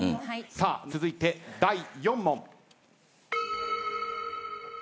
さあ続いて第４問。